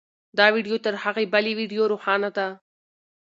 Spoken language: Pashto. دا ویډیو تر هغې بلې ویډیو روښانه ده.